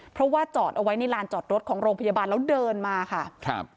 เพราะว่าจอดเอาไว้ในลานจอดรถของโรงพยาบาลแล้วเดินมาค่ะครับ